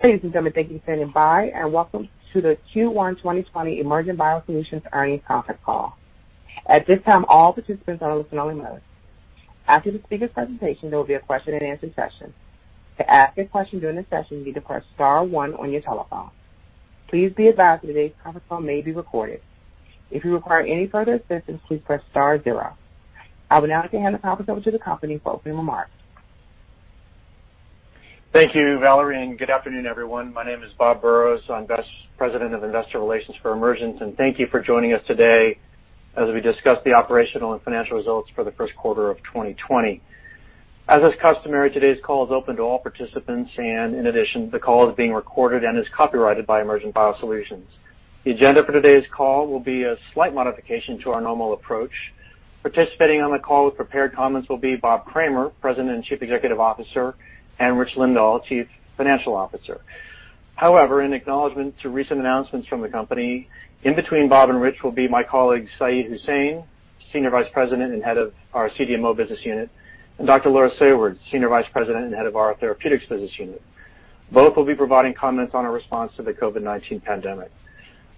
Ladies and gentlemen, thank you for standing by and Welcome to the Q1 2020 Emergent BioSolutions earnings conference call. At this time, all participants are in listen-only mode. After the speaker presentation, there will be a question and answer session. To ask a question during the session, you need to press star one on your telephone. Please be advised that today's conference call may be recorded. If you require any further assistance, please press star zero. I would now like to hand the conference over to the company for opening remarks. Thank you, Valerie, and good afternoon, everyone. My name is Bob Burrows. I'm Vice President of Investor Relations for Emergent, and thank you for joining us today as we discuss the operational and financial results for the first quarter of 2020. As is customary, today's call is open to all participants, and in addition, the call is being recorded and is copyrighted by Emergent BioSolutions. The agenda for today's call will be a slight modification to our normal approach. Participating on the call with prepared comments will be Bob Kramer, President and Chief Executive Officer, and Rich Lindahl, Chief Financial Officer. However, in acknowledgment to recent announcements from the company, in between Bob and Rich will be my colleague, Syed Husain, Senior Vice President and Head of our CDMO business unit, and Dr. Laura Saward, Senior Vice President and Head of our Therapeutics business unit. Both will be providing comments on our response to the COVID-19 pandemic.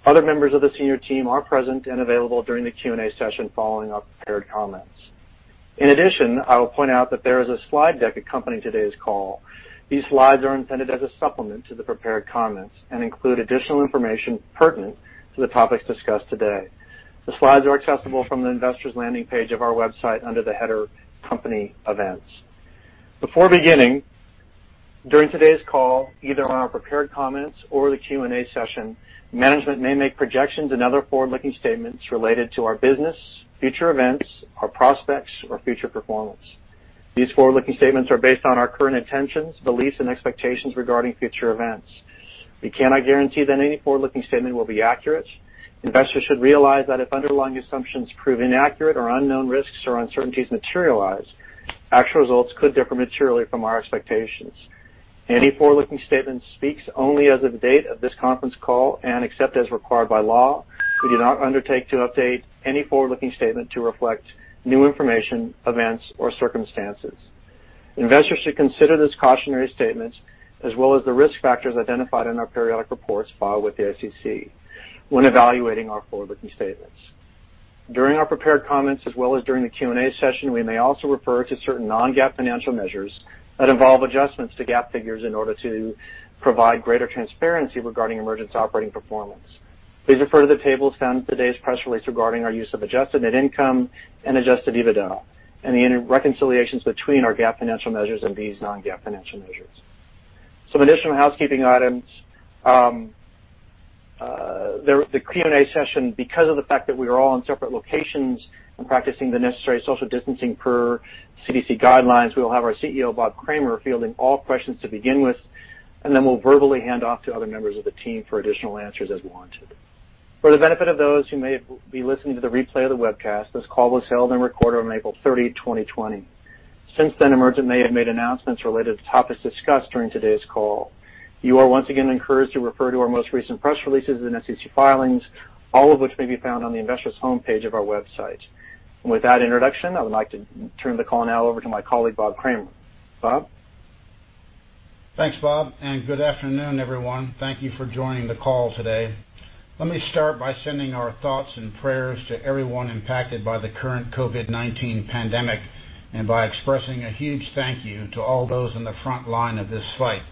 Other members of the senior team are present and available during the Q&A session following our prepared comments. In addition, I will point out that there is a slide deck accompanying today's call. These slides are intended as a supplement to the prepared comments and include additional information pertinent to the topics discussed today. The slides are accessible from the investors landing page of our website under the header Company Events. Before beginning, during today's call, either on our prepared comments or the Q&A session, management may make projections and other forward-looking statements related to our business, future events, our prospects or future performance. These forward-looking statements are based on our current intentions, beliefs and expectations regarding future events. We cannot guarantee that any forward-looking statement will be accurate. Investors should realize that if underlying assumptions prove inaccurate or unknown risks or uncertainties materialize, actual results could differ materially from our expectations. Any forward-looking statement speaks only as of the date of this conference call and except as required by law, we do not undertake to update any forward-looking statement to reflect new information, events or circumstances. Investors should consider this cautionary statement as well as the risk factors identified in our periodic reports filed with the SEC when evaluating our forward-looking statements. During our prepared comments as well as during the Q&A session, we may also refer to certain non-GAAP financial measures that involve adjustments to GAAP figures in order to provide greater transparency regarding Emergent's operating performance. Please refer to the tables found in today's press release regarding our use of adjusted net income and adjusted EBITDA and the reconciliations between our GAAP financial measures and these non-GAAP financial measures. Some additional housekeeping items. The Q&A session, because of the fact that we are all in separate locations and practicing the necessary social distancing per CDC guidelines, we will have our CEO, Bob Kramer, fielding all questions to begin with, and then we'll verbally hand off to other members of the team for additional answers as warranted. For the benefit of those who may be listening to the replay of the webcast, this call was held and recorded on April 30, 2020. Since then, Emergent may have made announcements related to topics discussed during today's call. You are once again encouraged to refer to our most recent press releases and SEC filings, all of which may be found on the investors homepage of our website. With that introduction, I would like to turn the call now over to my colleague, Bob Kramer. Bob? Thanks, Bob. Good afternoon, everyone. Thank you for joining the call today. Let me start by sending our thoughts and prayers to everyone impacted by the current COVID-19 pandemic and by expressing a huge thank you to all those on the front line of this fight,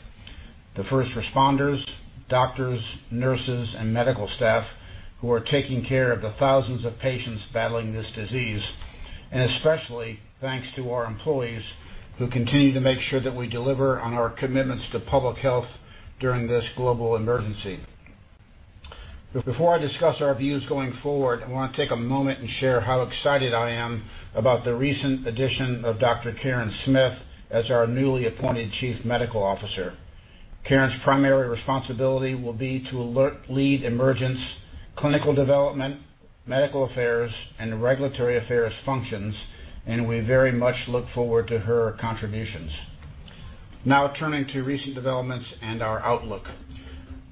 the first responders, doctors, nurses, and medical staff who are taking care of the thousands of patients battling this disease. Especially thanks to our employees who continue to make sure that we deliver on our commitments to public health during this global emergency. Before I discuss our views going forward, I want to take a moment and share how excited I am about the recent addition of Dr. Karen Smith as our newly appointed Chief Medical Officer. Karen's primary responsibility will be to lead Emergent's clinical development, medical affairs, and regulatory affairs functions, and we very much look forward to her contributions. Now turning to recent developments and our outlook.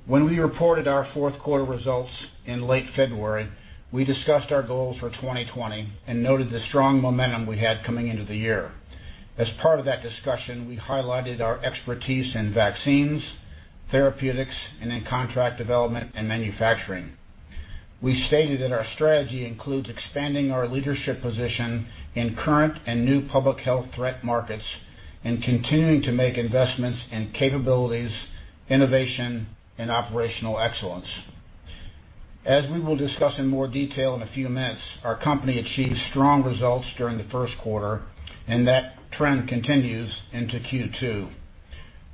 When we reported our fourth quarter results in late February, we discussed our goals for 2020 and noted the strong momentum we had coming into the year. As part of that discussion, we highlighted our expertise in vaccines, therapeutics, and in contract development and manufacturing. We stated that our strategy includes expanding our leadership position in current and new public health threat markets and continuing to make investments in capabilities, innovation, and operational excellence. As we will discuss in more detail in a few minutes, our company achieved strong results during the first quarter, and that trend continues into Q2.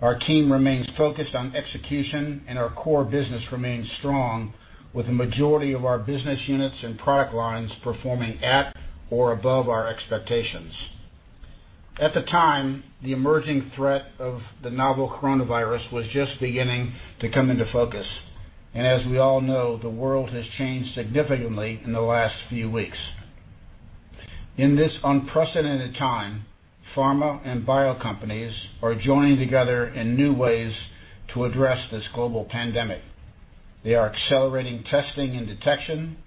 Our team remains focused on execution, and our core business remains strong with a majority of our business units and product lines performing at or above our expectations. At the time, the emerging threat of the novel coronavirus was just beginning to come into focus, and as we all know, the world has changed significantly in the last few weeks. In this unprecedented time, pharma and bio companies are joining together in new ways to address this global pandemic. They are accelerating testing and detection,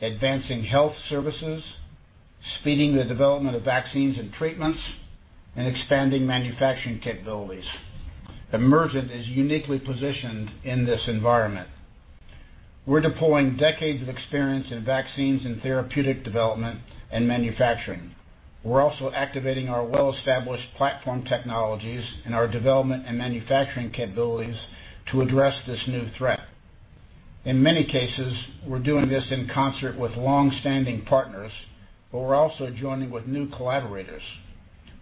advancing health services, speeding the development of vaccines and treatments, and expanding manufacturing capabilities. Emergent is uniquely positioned in this environment. We're deploying decades of experience in vaccines and therapeutic development and manufacturing. We're also activating our well-established platform technologies and our development and manufacturing capabilities to address this new threat. In many cases, we're doing this in concert with long-standing partners, but we're also joining with new collaborators.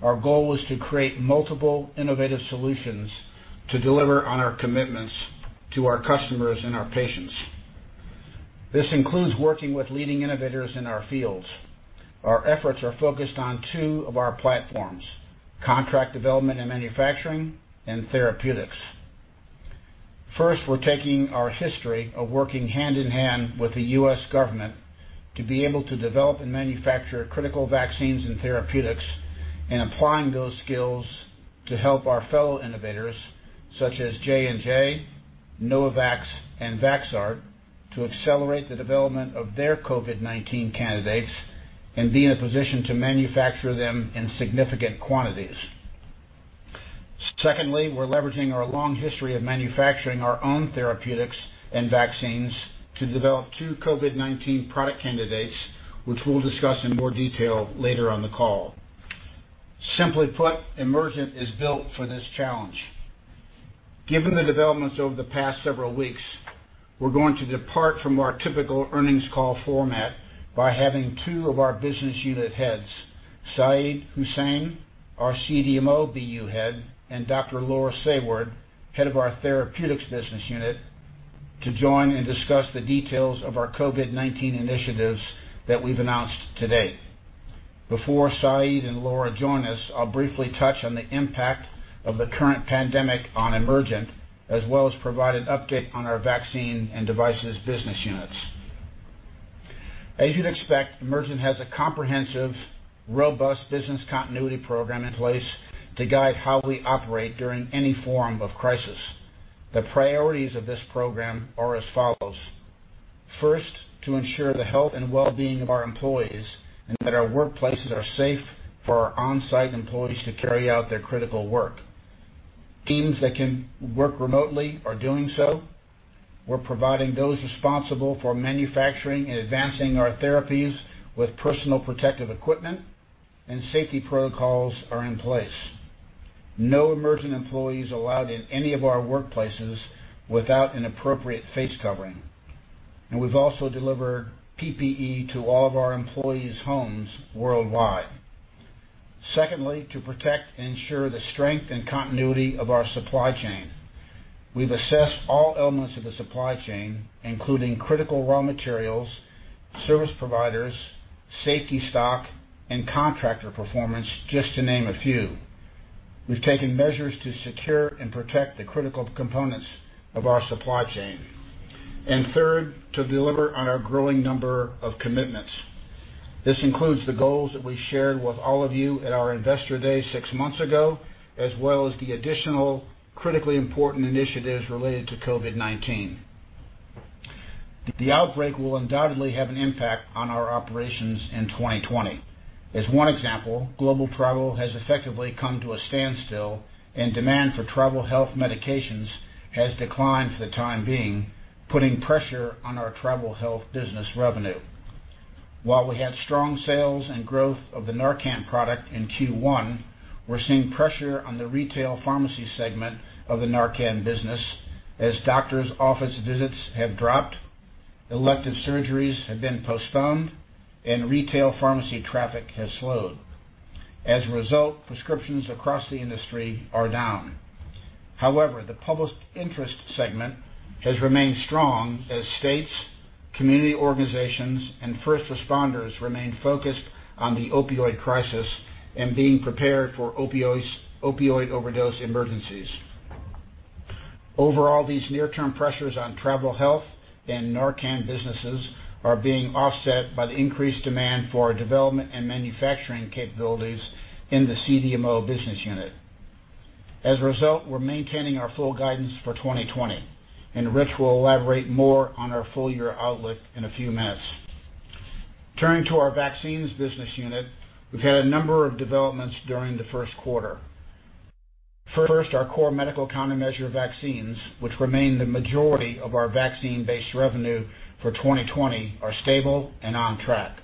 Our goal is to create multiple innovative solutions to deliver on our commitments to our customers and our patients. This includes working with leading innovators in our fields. Our efforts are focused on two of our platforms, contract development and manufacturing, and therapeutics. First, we're taking our history of working hand-in-hand with the U.S. government to be able to develop and manufacture critical vaccines and therapeutics, and applying those skills to help our fellow innovators, such as J&J, Novavax, and Vaxart, to accelerate the development of their COVID-19 candidates and be in a position to manufacture them in significant quantities. Secondly, we're leveraging our long history of manufacturing our own therapeutics and vaccines to develop two COVID-19 product candidates, which we'll discuss in more detail later on the call. Simply put, Emergent is built for this challenge. Given the developments over the past several weeks, we're going to depart from our typical earnings call format by having two of our business unit heads, Syed Husain, our CDMO BU head, and Dr. Laura Saward, head of our therapeutics business unit, to join and discuss the details of our COVID-19 initiatives that we've announced today. Before Syed and Laura join us, I'll briefly touch on the impact of the current pandemic on Emergent, as well as provide an update on our vaccine and devices business units. As you'd expect, Emergent has a comprehensive, robust business continuity program in place to guide how we operate during any form of crisis. The priorities of this program are as follows. 1st, to ensure the health and well-being of our employees, and that our workplaces are safe for our on-site employees to carry out their critical work. Teams that can work remotely are doing so. We're providing those responsible for manufacturing and advancing our therapies with personal protective equipment, and safety protocols are in place. No Emergent employee's allowed in any of our workplaces without an appropriate face covering. We've also delivered PPE to all of our employees' homes worldwide. Secondly, to protect and ensure the strength and continuity of our supply chain. We've assessed all elements of the supply chain, including critical raw materials, service providers, safety stock, and contractor performance, just to name a few. We've taken measures to secure and protect the critical components of our supply chain. 3rd, to deliver on our growing number of commitments. This includes the goals that we shared with all of you at our Investor Day six months ago, as well as the additional critically important initiatives related to COVID-19. The outbreak will undoubtedly have an impact on our operations in 2020. As one example, global travel has effectively come to a standstill, and demand for travel health medications has declined for the time being, putting pressure on our travel health business revenue. While we had strong sales and growth of the NARCAN product in Q1, we're seeing pressure on the retail pharmacy segment of the NARCAN business as doctors' office visits have dropped, elective surgeries have been postponed, and retail pharmacy traffic has slowed. As a result, prescriptions across the industry are down. However, the public interest segment has remained strong as states, community organizations, and first responders remain focused on the opioid crisis and being prepared for opioid overdose emergencies. Overall, these near-term pressures on travel health and NARCAN businesses are being offset by the increased demand for our development and manufacturing capabilities in the CDMO business unit. As a result, we're maintaining our full guidance for 2020. Rich will elaborate more on our full-year outlook in a few minutes. Turning to our vaccines business unit, we've had a number of developments during the first quarter. 1st, our core medical countermeasure vaccines, which remain the majority of our vaccine-based revenue for 2020, are stable and on track.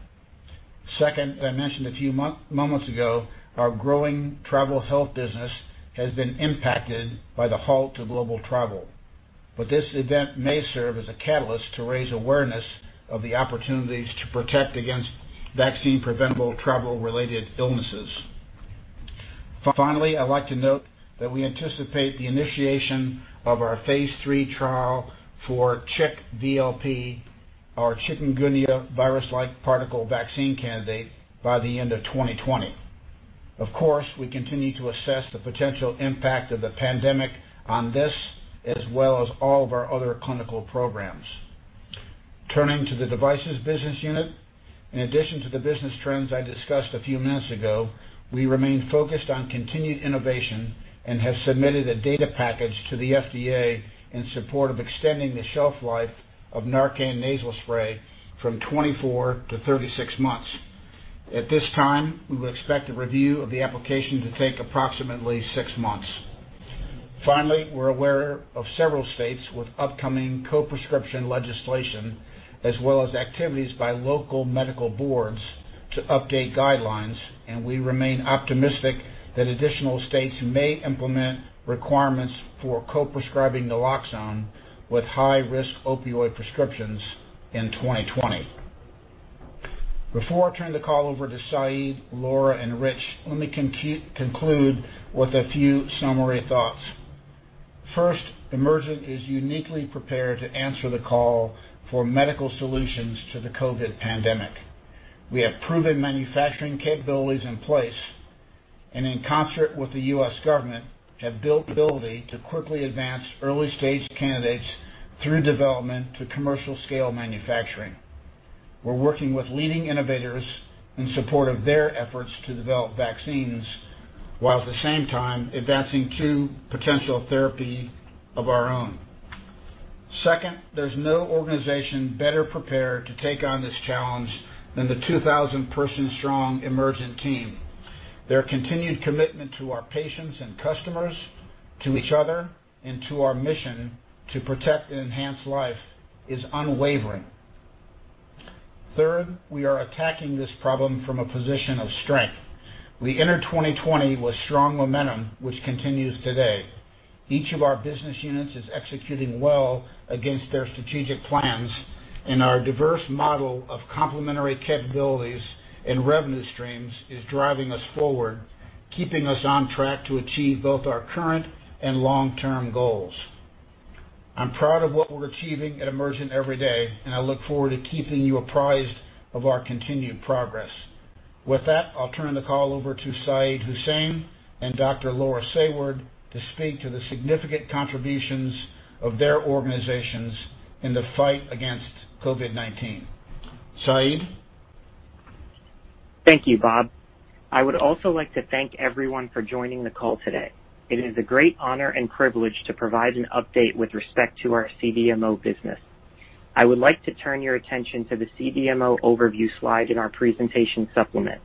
2nd, as I mentioned a few moments ago, our growing travel health business has been impacted by the halt of global travel. This event may serve as a catalyst to raise awareness of the opportunities to protect against vaccine-preventable travel-related illnesses. Finally, I'd like to note that we anticipate the initiation of our phase III trial for CHIKV VLP, our Chikungunya virus-like particle vaccine candidate, by the end of 2020. Of course, we continue to assess the potential impact of the pandemic on this, as well as all of our other clinical programs. Turning to the devices business unit. In addition to the business trends I discussed a few minutes ago, we remain focused on continued innovation and have submitted a data package to the FDA in support of extending the shelf life of NARCAN Nasal Spray from 24 to 36 months. At this time, we would expect a review of the application to take approximately six months. We're aware of several states with upcoming co-prescription legislation, as well as activities by local medical boards to update guidelines, and we remain optimistic that additional states may implement requirements for co-prescribing naloxone with high-risk opioid prescriptions in 2020. Before I turn the call over to Syed, Laura, and Rich, let me conclude with a few summary thoughts. 1st, Emergent is uniquely prepared to answer the call for medical solutions to the COVID pandemic. We have proven manufacturing capabilities in place, and in concert with the U.S. government, have built the ability to quickly advance early-stage candidates through development to commercial-scale manufacturing. We're working with leading innovators in support of their efforts to develop vaccines, while at the same time advancing two potential therapy of our own. 2nd, there's no organization better prepared to take on this challenge than the 2,000-person strong Emergent team. Their continued commitment to our patients and customers, to each other, and to our mission to protect and enhance life is unwavering. 3rd, we are attacking this problem from a position of strength. We entered 2020 with strong momentum, which continues today. Each of our business units is executing well against their strategic plans, and our diverse model of complementary capabilities and revenue streams is driving us forward, keeping us on track to achieve both our current and long-term goals. I'm proud of what we're achieving at Emergent every day, and I look forward to keeping you apprised of our continued progress. With that, I'll turn the call over to Syed Husain and Dr. Laura Saward to speak to the significant contributions of their organizations in the fight against COVID-19. Syed? Thank you, Bob. I would also like to thank everyone for joining the call today. It is a great honor and privilege to provide an update with respect to our CDMO business. I would like to turn your attention to the CDMO overview slide in our presentation supplement.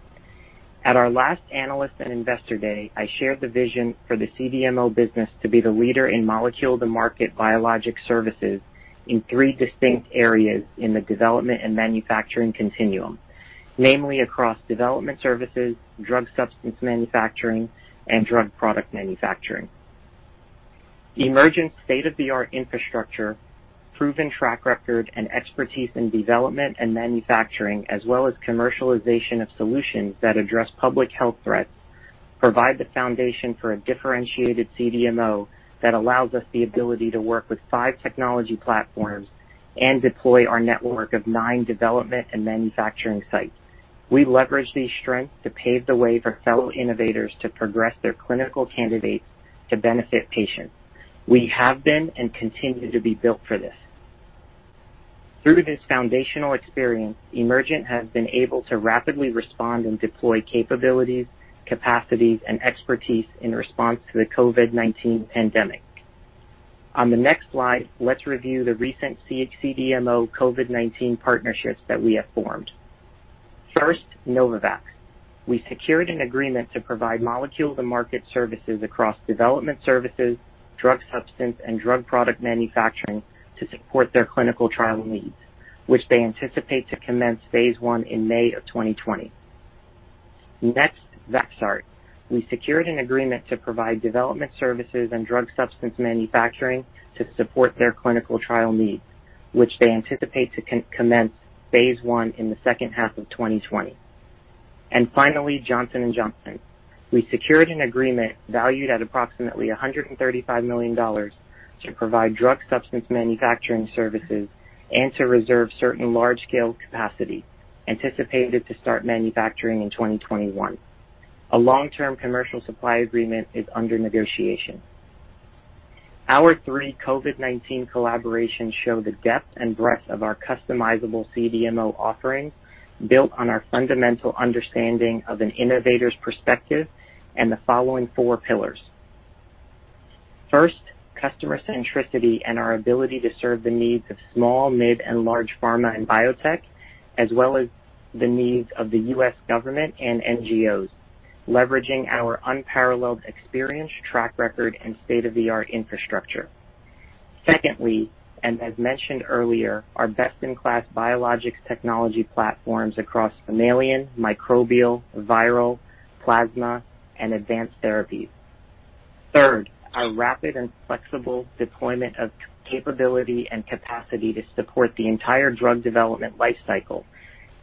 At our last Analyst and Investor Day, I shared the vision for the CDMO business to be the leader in molecule to market biologic services in three distinct areas in the development and manufacturing continuum, namely across development services, drug substance manufacturing, and drug product manufacturing. Emergent's state-of-the-art infrastructure, proven track record, and expertise in development and manufacturing, as well as commercialization of solutions that address public health threats, provide the foundation for a differentiated CDMO that allows us the ability to work with five technology platforms and deploy our network of nine development and manufacturing sites. We leverage these strengths to pave the way for fellow innovators to progress their clinical candidates to benefit patients. We have been and continue to be built for this. Through this foundational experience, Emergent has been able to rapidly respond and deploy capabilities, capacities, and expertise in response to the COVID-19 pandemic. On the next slide, let's review the recent CDMO COVID-19 partnerships that we have formed. 1st, Novavax. We secured an agreement to provide molecule to market services across development services, drug substance, and drug product manufacturing to support their clinical trial needs, which they anticipate to commence phase I in May of 2020. Next, Vaxart. We secured an agreement to provide development services and drug substance manufacturing to support their clinical trial needs, which they anticipate to commence phase I in the second half of 2020. Finally, Johnson & Johnson. We secured an agreement valued at approximately $135 million to provide drug substance manufacturing services and to reserve certain large-scale capacity anticipated to start manufacturing in 2021. A long-term commercial supply agreement is under negotiation. Our three COVID-19 collaborations show the depth and breadth of our customizable CDMO offerings built on our fundamental understanding of an innovator's perspective and the following four pillars. 1st, customer centricity and our ability to serve the needs of small, mid, and large pharma and biotech, as well as the needs of the U.S. government and NGOs, leveraging our unparalleled experience, track record, and state-of-the-art infrastructure. Secondly, as mentioned earlier, our best-in-class biologics technology platforms across mammalian, microbial, viral, plasma, and advanced therapies. 3rd, our rapid and flexible deployment of capability and capacity to support the entire drug development life cycle,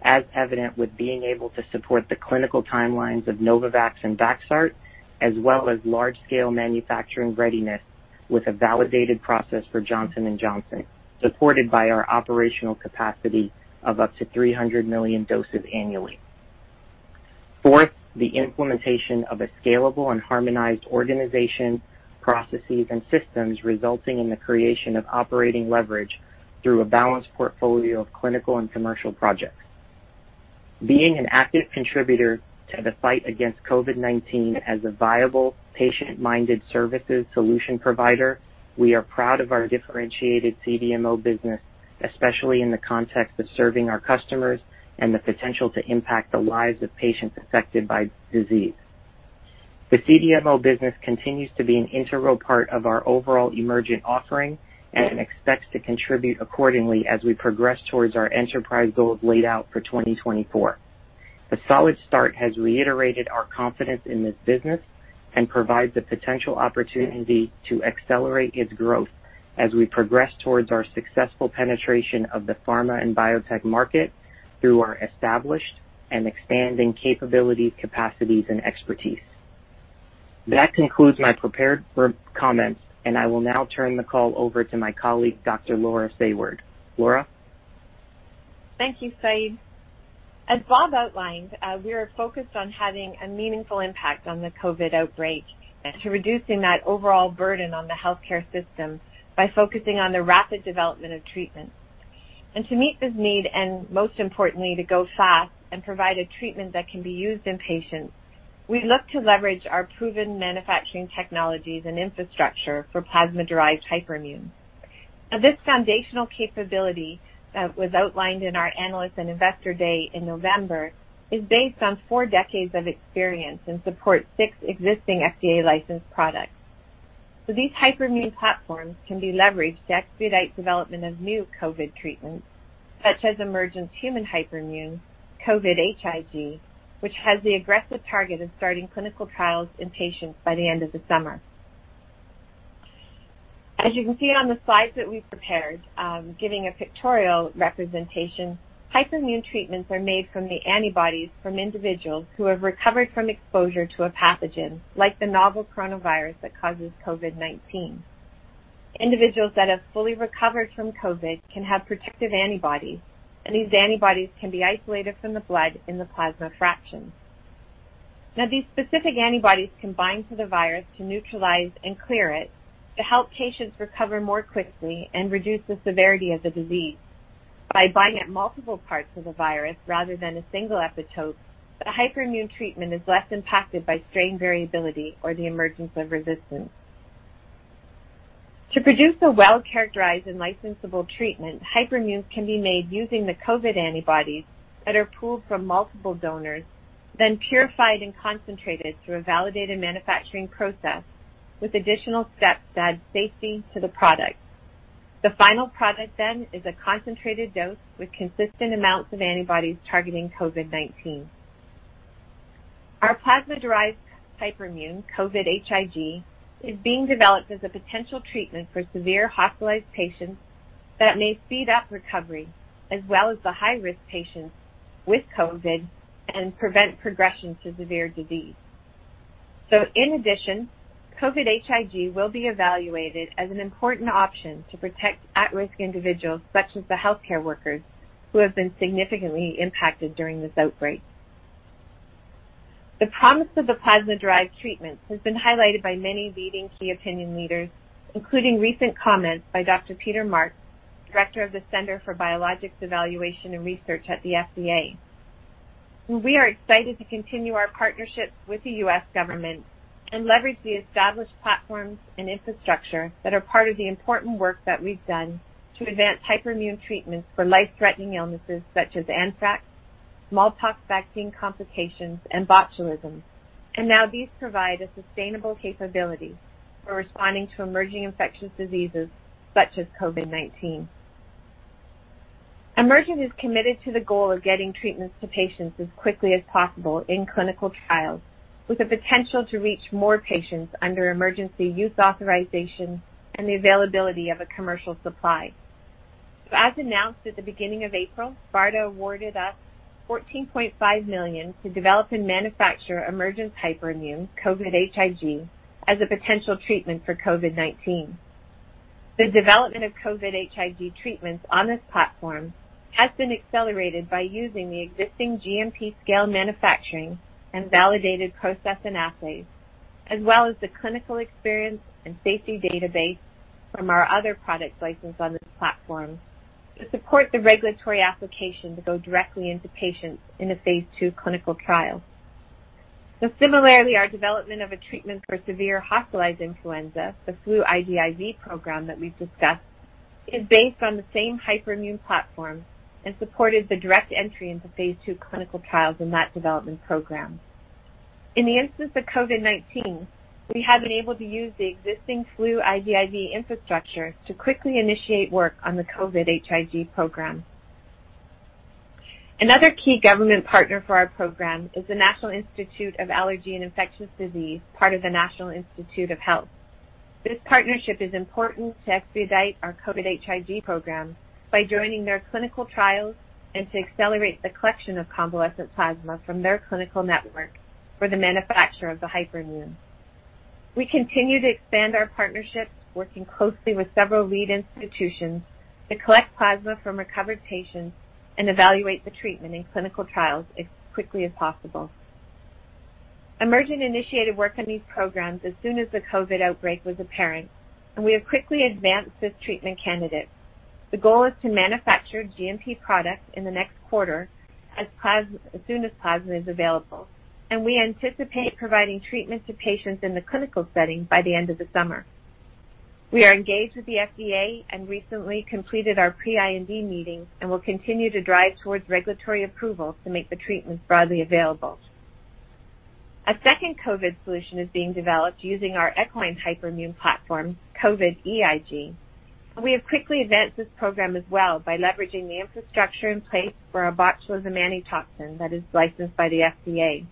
as evident with being able to support the clinical timelines of Novavax and Vaxart, as well as large-scale manufacturing readiness with a validated process for Johnson & Johnson, supported by our operational capacity of up to 300 million doses annually. 4th, the implementation of a scalable and harmonized organization, processes, and systems resulting in the creation of operating leverage through a balanced portfolio of clinical and commercial projects. Being an active contributor to the fight against COVID-19 as a viable patient-minded services solution provider, we are proud of our differentiated CDMO business, especially in the context of serving our customers and the potential to impact the lives of patients affected by disease. The CDMO business continues to be an integral part of our overall Emergent offering and expects to contribute accordingly as we progress towards our enterprise goals laid out for 2024. The solid start has reiterated our confidence in this business and provides a potential opportunity to accelerate its growth as we progress towards our successful penetration of the pharma and biotech market through our established and expanding capabilities, capacities, and expertise. That concludes my prepared comments. I will now turn the call over to my colleague, Dr. Laura Saward. Laura? Thank you, Syed. As Bob outlined, we are focused on having a meaningful impact on the COVID outbreak and to reducing that overall burden on the healthcare system by focusing on the rapid development of treatments. To meet this need and, most importantly, to go fast and provide a treatment that can be used in patients, we look to leverage our proven manufacturing technologies and infrastructure for plasma-derived hyperimmune. As this foundational capability that was outlined in our analyst and investor day in November is based on four decades of experience and supports six existing FDA-licensed products. These hyperimmune platforms can be leveraged to expedite development of new COVID treatments such as Emergent's human hyperimmune COVID-HIG, which has the aggressive target of starting clinical trials in patients by the end of the summer. As you can see on the slides that we've prepared, giving a pictorial representation, hyperimmune treatments are made from the antibodies from individuals who have recovered from exposure to a pathogen, like the novel coronavirus that causes COVID-19. Individuals that have fully recovered from COVID can have protective antibodies, and these antibodies can be isolated from the blood in the plasma fractions. These specific antibodies can bind to the virus to neutralize and clear it to help patients recover more quickly and reduce the severity of the disease. By binding at multiple parts of the virus rather than a single epitope, the hyperimmune treatment is less impacted by strain variability or the emergence of resistance. To produce a well-characterized and licensable treatment, hyperimmunes can be made using the COVID antibodies that are pooled from multiple donors, then purified and concentrated through a validated manufacturing process with additional steps to add safety to the product. The final product then is a concentrated dose with consistent amounts of antibodies targeting COVID-19. Our plasma-derived hyperimmune COVID-HIG is being developed as a potential treatment for severe hospitalized patients that may speed up recovery, as well as the high-risk patients with COVID and prevent progression to severe disease. In addition, COVID-HIG will be evaluated as an important option to protect at-risk individuals such as the healthcare workers who have been significantly impacted during this outbreak. The promise of the plasma-derived treatments has been highlighted by many leading key opinion leaders, including recent comments by Dr. Peter Marks, Director of the Center for Biologics Evaluation and Research at the FDA. We are excited to continue our partnerships with the U.S. government and leverage the established platforms and infrastructure that are part of the important work that we've done to advance hyperimmune treatments for life-threatening illnesses such as anthrax, smallpox vaccine complications, and botulism. Now these provide a sustainable capability for responding to emerging infectious diseases such as COVID-19. Emergent is committed to the goal of getting treatments to patients as quickly as possible in clinical trials, with the potential to reach more patients under Emergency Use Authorization and the availability of a commercial supply. As announced at the beginning of April, BARDA awarded us $14.5 million to develop and manufacture Emergent's hyperimmune COVID-HIG as a potential treatment for COVID-19. The development of COVID-HIG treatments on this platform has been accelerated by using the existing GMP scale manufacturing and validated process and assays, as well as the clinical experience and safety database from our other products licensed on this platform to support the regulatory application to go directly into patients in a phase II clinical trial. Similarly, our development of a treatment for severe hospitalized influenza, the FLU-IGIV program that we've discussed, is based on the same hyperimmune platform and supported the direct entry into phase II clinical trials in that development program. In the instance of COVID-19, we have been able to use the existing FLU-IGIV infrastructure to quickly initiate work on the COVID-HIG program. Another key government partner for our program is the National Institute of Allergy and Infectious Diseases, part of the National Institutes of Health. This partnership is important to expedite our COVID-HIG program by joining their clinical trials and to accelerate the collection of convalescent plasma from their clinical network for the manufacture of the hyperimmune. We continue to expand our partnerships, working closely with several lead institutions to collect plasma from recovered patients and evaluate the treatment in clinical trials as quickly as possible. Emergent initiated work on these programs as soon as the COVID outbreak was apparent, and we have quickly advanced this treatment candidate. The goal is to manufacture GMP products in the next quarter as soon as plasma is available. We anticipate providing treatment to patients in the clinical setting by the end of the summer. We are engaged with the FDA and recently completed our pre-IND meeting and will continue to drive towards regulatory approval to make the treatments broadly available. A second COVID solution is being developed using our equine hyperimmune platform, COVID-EIG. We have quickly advanced this program as well by leveraging the infrastructure in place for our botulism antitoxin that is licensed by the FDA.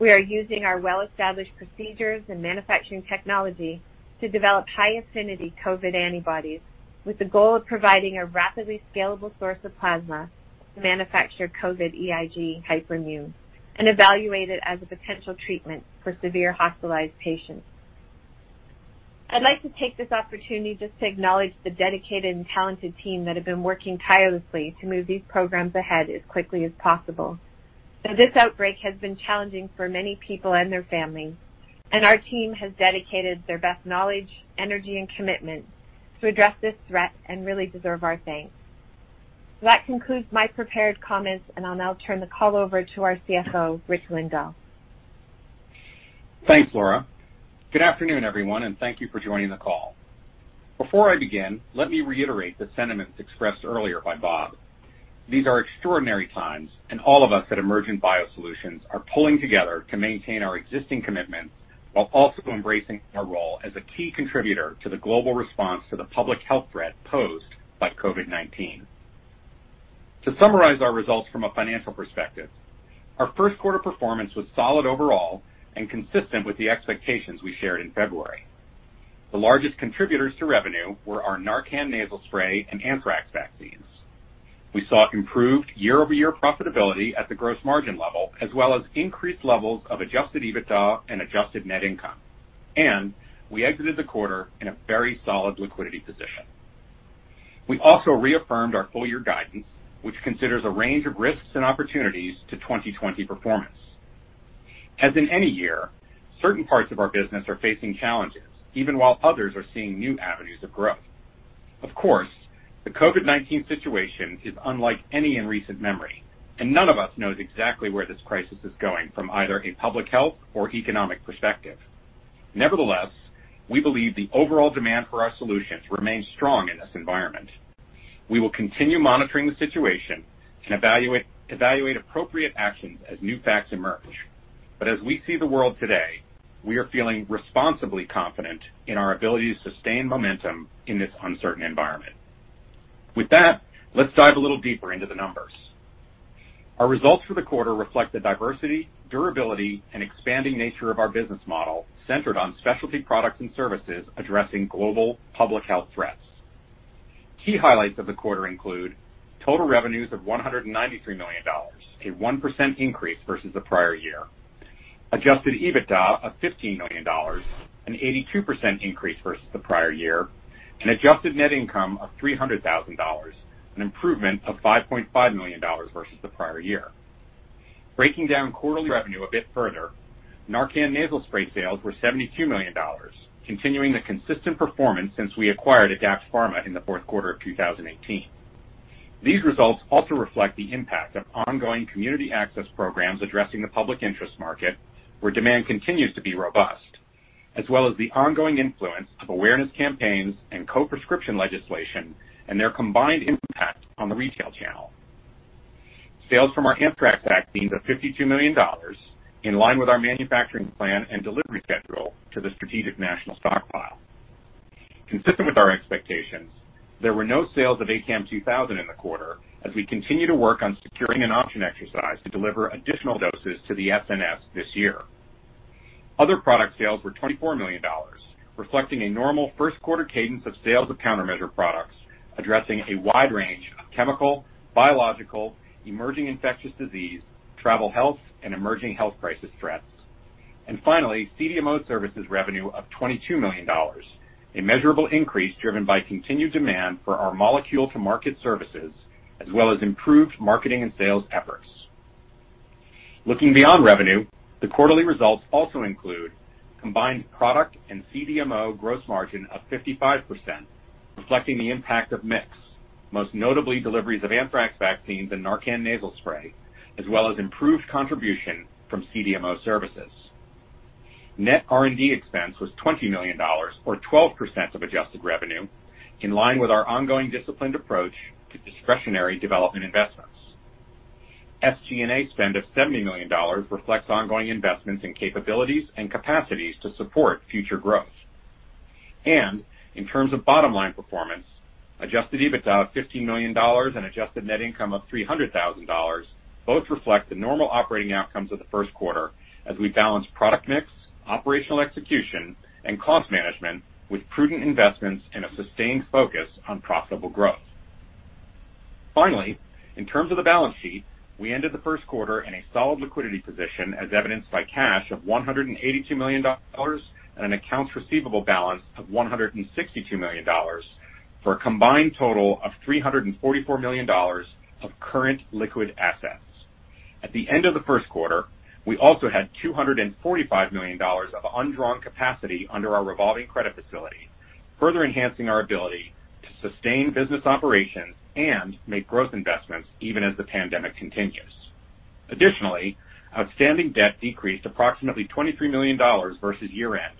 We are using our well-established procedures and manufacturing technology to develop high-affinity COVID antibodies with the goal of providing a rapidly scalable source of plasma to manufacture COVID-EIG hyperimmune and evaluate it as a potential treatment for severe hospitalized patients. I'd like to take this opportunity just to acknowledge the dedicated and talented team that have been working tirelessly to move these programs ahead as quickly as possible. Now this outbreak has been challenging for many people and their families, and our team has dedicated their best knowledge, energy, and commitment to address this threat and really deserve our thanks. That concludes my prepared comments, and I'll now turn the call over to our CFO, Rich Lindahl. Thanks, Laura. Good afternoon, everyone. Thank you for joining the call. Before I begin, let me reiterate the sentiments expressed earlier by Bob. These are extraordinary times. All of us at Emergent BioSolutions are pulling together to maintain our existing commitments while also embracing our role as a key contributor to the global response to the public health threat posed by COVID-19. To summarize our results from a financial perspective, our first quarter performance was solid overall and consistent with the expectations we shared in February. The largest contributors to revenue were our NARCAN Nasal Spray and anthrax vaccines. We saw improved year-over-year profitability at the gross margin level, as well as increased levels of adjusted EBITDA and adjusted net income. We exited the quarter in a very solid liquidity position. We also reaffirmed our full-year guidance, which considers a range of risks and opportunities to 2020 performance. As in any year, certain parts of our business are facing challenges, even while others are seeing new avenues of growth. Of course, the COVID-19 situation is unlike any in recent memory, and none of us knows exactly where this crisis is going from either a public health or economic perspective. Nevertheless, we believe the overall demand for our solutions remains strong in this environment. We will continue monitoring the situation and evaluate appropriate actions as new facts emerge. As we see the world today, we are feeling responsibly confident in our ability to sustain momentum in this uncertain environment. With that, let's dive a little deeper into the numbers. Our results for the quarter reflect the diversity, durability, and expanding nature of our business model centered on specialty products and services addressing global public health threats. Key highlights of the quarter include total revenues of $193 million, a 1% increase versus the prior year, adjusted EBITDA of $15 million, an 82% increase versus the prior year, and adjusted net income of $300,000, an improvement of $5.5 million versus the prior year. Breaking down quarterly revenue a bit further, NARCAN Nasal Spray sales were $72 million, continuing the consistent performance since we acquired Adapt Pharma in the fourth quarter of 2018. These results also reflect the impact of ongoing community access programs addressing the public interest market, where demand continues to be robust, as well as the ongoing influence of awareness campaigns and co-prescription legislation and their combined impact on the retail channel. Sales from our anthrax vaccines are $52 million, in line with our manufacturing plan and delivery schedule to the Strategic National Stockpile. Consistent with our expectations, there were no sales of ACAM2000 in the quarter as we continue to work on securing an option exercise to deliver additional doses to the SNS this year. Other product sales were $24 million, reflecting a normal first quarter cadence of sales of countermeasure products addressing a wide range of chemical, biological, emerging infectious disease, travel health, and emerging health crisis threats. Finally, CDMO services revenue of $22 million, a measurable increase driven by continued demand for our molecule to market services, as well as improved marketing and sales efforts. Looking beyond revenue, the quarterly results also include combined product and CDMO gross margin of 55%, reflecting the impact of mix, most notably deliveries of anthrax vaccines and NARCAN Nasal Spray, as well as improved contribution from CDMO services. Net R&D expense was $20 million, or 12% of adjusted revenue, in line with our ongoing disciplined approach to discretionary development investments. SG&A spend of $70 million reflects ongoing investments in capabilities and capacities to support future growth. In terms of bottom line performance, adjusted EBITDA of $15 million and adjusted net income of $300,000 both reflect the normal operating outcomes of the first quarter as we balance product mix, operational execution, and cost management with prudent investments and a sustained focus on profitable growth. Finally, in terms of the balance sheet, we ended the first quarter in a solid liquidity position, as evidenced by cash of $182 million and an accounts receivable balance of $162 million, for a combined total of $344 million of current liquid assets. At the end of the first quarter, we also had $245 million of undrawn capacity under our revolving credit facility, further enhancing our ability to sustain business operations and make growth investments even as the pandemic continues. Additionally, outstanding debt decreased approximately $23 million versus year-end,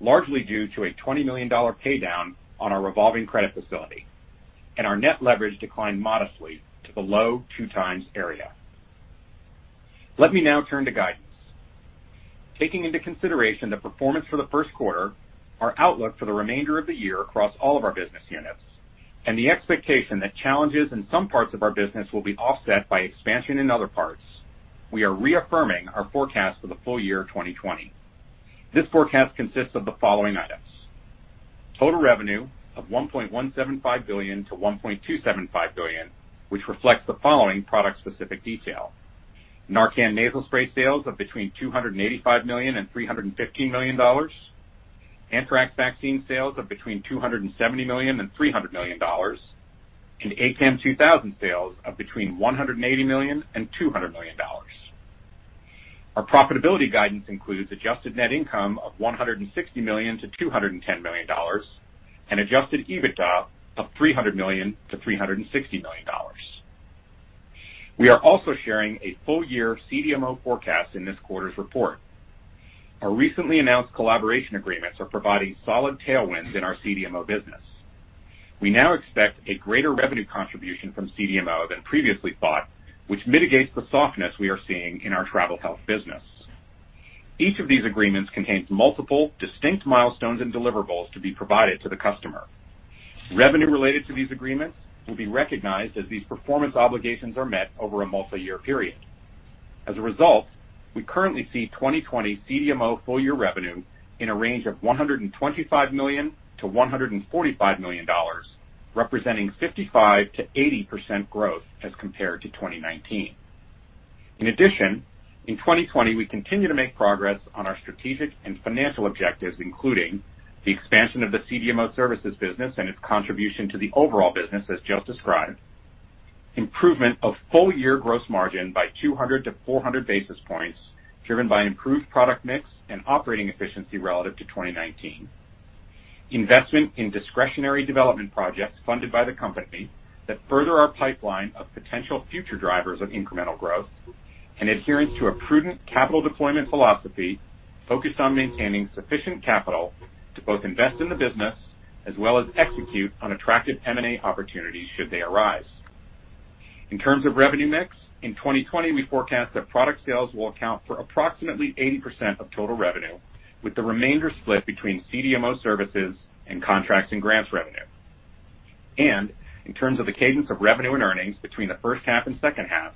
largely due to a $20 million pay-down on our revolving credit facility, and our net leverage declined modestly to the low 2x area. Let me now turn to guidance. Taking into consideration the performance for the first quarter, our outlook for the remainder of the year across all of our business units, and the expectation that challenges in some parts of our business will be offset by expansion in other parts, we are reaffirming our forecast for the full year 2020. This forecast consists of the following items: total revenue of $1.175 billion-$1.275 billion, which reflects the following product-specific detail: NARCAN Nasal Spray sales of between $285 million-$315 million, anthrax vaccine sales of between $270 million-$300 million, and ACAM2000 sales of between $180 million-$200 million. Our profitability guidance includes adjusted net income of $160 million-$210 million and adjusted EBITDA of $300 million-$360 million. We are also sharing a full-year CDMO forecast in this quarter's report. Our recently announced collaboration agreements are providing solid tailwinds in our CDMO business. We now expect a greater revenue contribution from CDMO than previously thought, which mitigates the softness we are seeing in our travel health business. Each of these agreements contains multiple distinct milestones and deliverables to be provided to the customer. Revenue related to these agreements will be recognized as these performance obligations are met over a multi-year period. As a result, we currently see 2020 CDMO full-year revenue in a range of $125 million-$145 million, representing 55%-80% growth as compared to 2019. In addition, in 2020, we continue to make progress on our strategic and financial objectives, including the expansion of the CDMO services business and its contribution to the overall business, as Joe described; improvement of full-year gross margin by 200-400 basis points, driven by improved product mix and operating efficiency relative to 2019; investment in discretionary development projects funded by the company that further our pipeline of potential future drivers of incremental growth; and adherence to a prudent capital deployment philosophy focused on maintaining sufficient capital to both invest in the business as well as execute on attractive M&A opportunities should they arise. In terms of revenue mix, in 2020, we forecast that product sales will account for approximately 80% of total revenue, with the remainder split between CDMO services and contracts and grants revenue. In terms of the cadence of revenue and earnings between the first half and second half,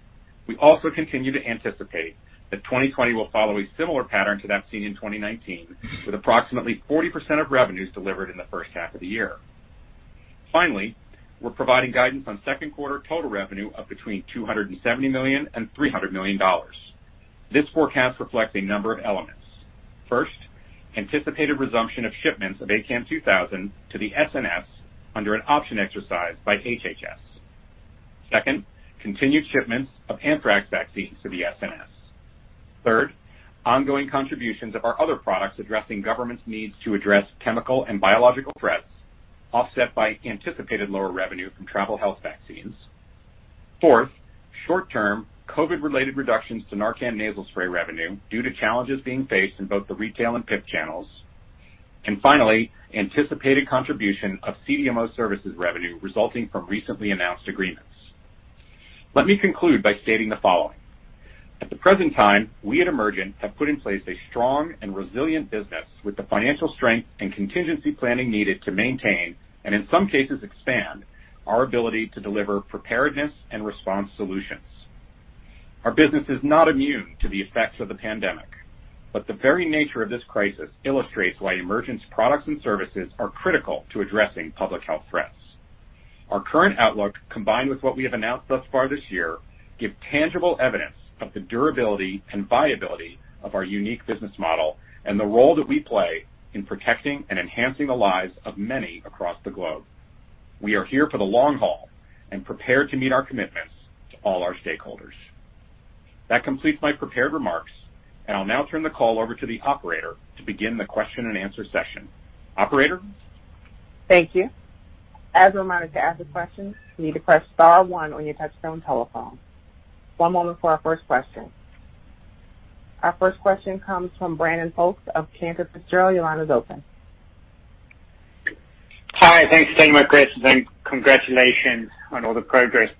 we also continue to anticipate that 2020 will follow a similar pattern to that seen in 2019, with approximately 40% of revenues delivered in the first half of the year. Finally, we're providing guidance on second quarter total revenue of between $270 million and $300 million. This forecast reflects a number of elements. 1st, anticipated resumption of shipments of ACAM2000 to the SNS under an option exercised by HHS. 2nd, continued shipments of anthrax vaccines to the SNS. 3rd, ongoing contributions of our other products addressing government's needs to address chemical and biological threats, offset by anticipated lower revenue from travel health vaccines. 4th, short-term COVID-related reductions to NARCAN Nasal Spray revenue due to challenges being faced in both the retail and PIP channels. Finally, anticipated contribution of CDMO services revenue resulting from recently announced agreements. Let me conclude by stating the following. At the present time, we at Emergent have put in place a strong and resilient business with the financial strength and contingency planning needed to maintain, and in some cases expand, our ability to deliver preparedness and response solutions. Our business is not immune to the effects of the pandemic, but the very nature of this crisis illustrates why Emergent's products and services are critical to addressing public health threats. Our current outlook, combined with what we have announced thus far this year, give tangible evidence of the durability and viability of our unique business model and the role that we play in protecting and enhancing the lives of many across the globe. We are here for the long haul and prepared to meet our commitments to all our stakeholders. That completes my prepared remarks, and I'll now turn the call over to the operator to begin the question and answer session. Operator? Thank you. As a reminder, to ask a question, you need to press star one on your touchtone telephone. One moment for our first question. Our first question comes from Brandon Folkes of Cantor Fitzgerald. Your line is open. Hi. Thanks for taking my questions, and congratulations on all the progress.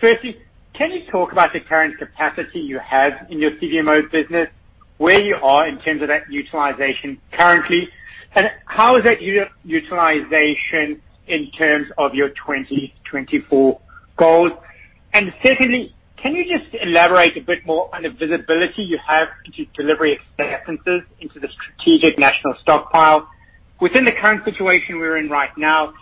Firstly, can you talk about the current capacity you have in your CDMO business, where you are in terms of that utilization currently, and how is that utilization in terms of your 2024 goals? Secondly, can you just elaborate a bit more on the visibility you have into delivery acceptances into the Strategic National Stockpile? Within the current situation we're in right now,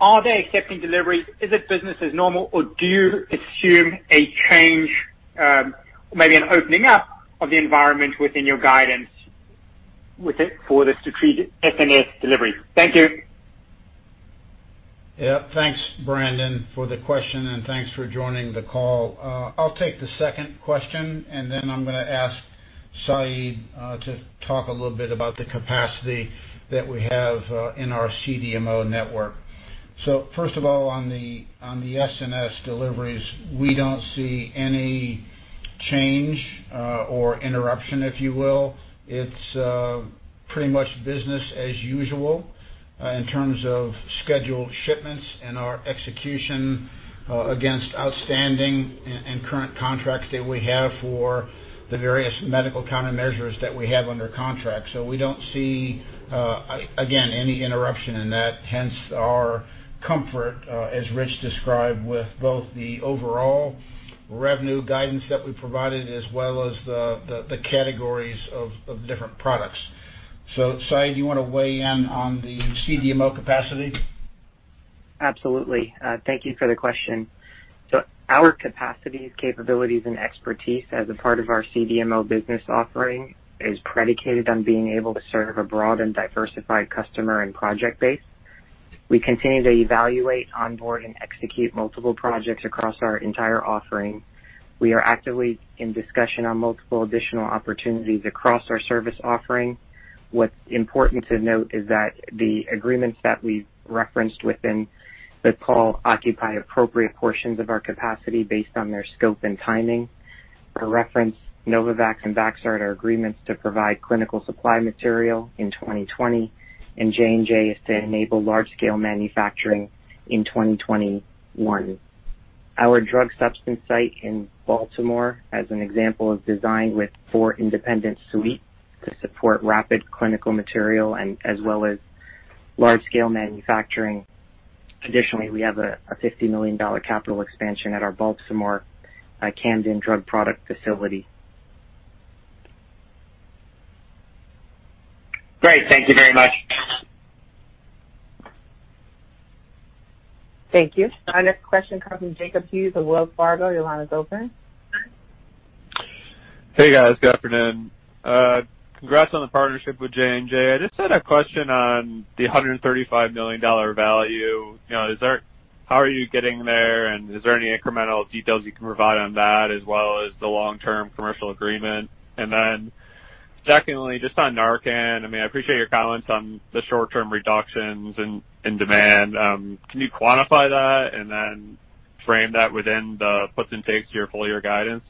are they accepting deliveries? Is it business as normal, or do you assume a change, maybe an opening up of the environment within your guidance for the Strategic SNS delivery? Thank you. Yeah. Thanks, Brandon, for the question, and thanks for joining the call. I'll take the 2nd question, and then I'm going to ask Syed to talk a little bit about the capacity that we have in our CDMO network. First of all, on the SNS deliveries, we don't see any change or interruption, if you will. It's pretty much business as usual in terms of scheduled shipments and our execution against outstanding and current contracts that we have for the various medical countermeasures that we have under contract. We don't see, again, any interruption in that, hence our comfort as Rich described, with both the overall revenue guidance that we provided as well as the categories of different products. Syed, do you want to weigh in on the CDMO capacity? Absolutely. Thank you for the question. Our capacities, capabilities, and expertise as a part of our CDMO business offering is predicated on being able to serve a broad and diversified customer and project base. We continue to evaluate, onboard, and execute multiple projects across our entire offering. We are actively in discussion on multiple additional opportunities across our service offering. What's important to note is that the agreements that we've referenced within the call occupy appropriate portions of our capacity based on their scope and timing. For reference, Novavax and Vaxart are agreements to provide clinical supply material in 2020, and J&J is to enable large-scale manufacturing in 2021. Our drug substance site in Baltimore, as an example, is designed with four independent suites to support rapid clinical material and as well as large-scale manufacturing. Additionally, we have a $50 million capital expansion at our Baltimore Camden drug product facility. Great. Thank you very much. Thank you. Our next question comes from Jacob Hughes of Wells Fargo. Your line is open. Hey, guys. Good afternoon. Congrats on the partnership with J&J. I just had a question on the $135 million value. How are you getting there, and is there any incremental details you can provide on that as well as the long-term commercial agreement? Secondly, just on NARCAN, I appreciate your comments on the short-term reductions in demand. Can you quantify that and then frame that within the puts and takes to your full-year guidance?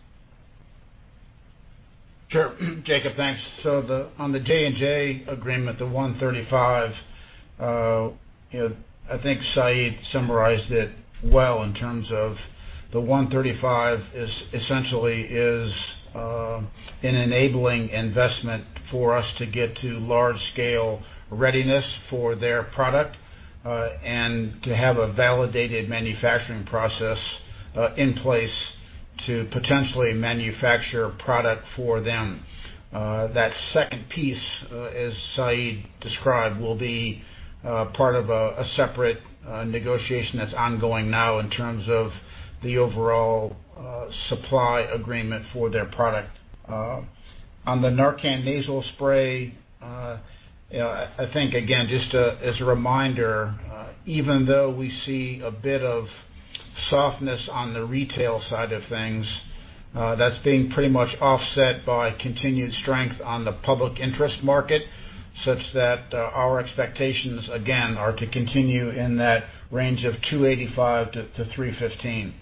Sure. Jacob, thanks. On the J&J agreement, the $135, I think Syed summarized it well in terms of the $135 essentially is an enabling investment for us to get to large-scale readiness for their product, and to have a validated manufacturing process in place to potentially manufacture product for them. That second piece, as Syed described, will be part of a separate negotiation that's ongoing now in terms of the overall supply agreement for their product. On the NARCAN Nasal Spray, I think again, just as a reminder, even though we see a bit of softness on the retail side of things, that's being pretty much offset by continued strength on the public interest market, such that our expectations again, are to continue in that range of $285-$315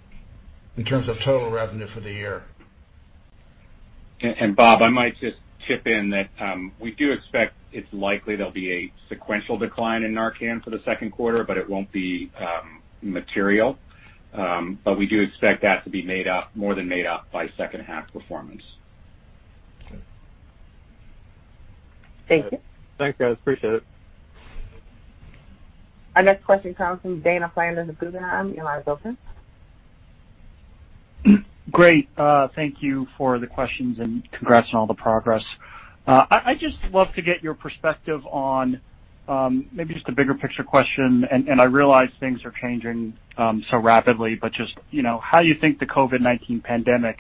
in terms of total revenue for the year. Bob, I might just chip in that we do expect it's likely there'll be a sequential decline in NARCAN for the second quarter, but it won't be material. We do expect that to be more than made up by second half performance. Okay. Thank you. Thanks, guys. Appreciate it. Our next question comes from Dana Flanders of Guggenheim. Your line is open. Great. Thank you for the questions. Congrats on all the progress. I'd just love to get your perspective on maybe just a bigger picture question. I realize things are changing so rapidly, but just how you think the COVID-19 pandemic